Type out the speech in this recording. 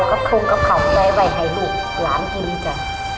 แล้วก็คุ้งกับเขาในวัยให้ลูกหลานกินจ่ะ